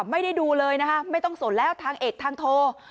ไม่ได้ดูเลยนะคะไม่ต้องสนแล้วทางเอกทางโท